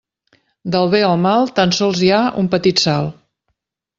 Del bé al mal tan sols hi ha un petit salt.